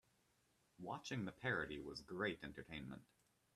Watching the parody was great entertainment.